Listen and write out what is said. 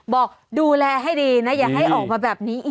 บอกดูแลให้ดีนะอย่าให้ออกมาแบบนี้อีก